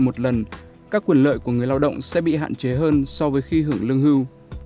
một lần các quyền lợi của người lao động sẽ bị hạn chế hơn so với khi hưởng lương hưu